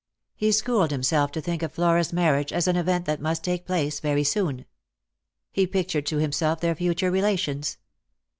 He schooled himself to think of Flora's marriage as an event that must take place very soon. He pictured to himself their future relations.